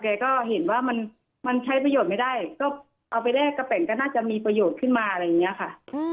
แกก็เห็นว่ามันใช้ประโยชน์ไม่ได้ก็เอาไปแลกกระแปนก็น่าจะมีประโยชน์ขึ้นมาอะไรอย่างนี้ค่ะ